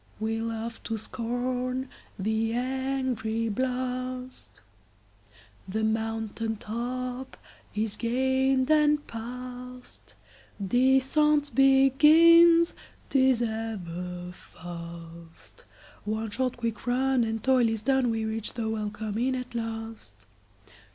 We laugh to scorn the angry blast, The mountain top is gained and past. Descent begins, 't is ever fast—One short quick run, and toil is done, We reach the welcome inn at last.